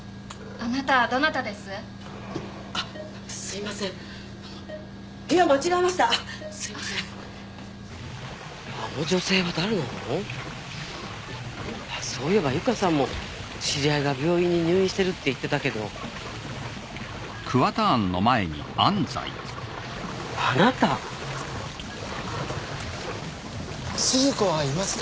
あっそういえば由香さんも知り合いが病院に入院してるって言ってたけどあなた⁉鈴子はいますか？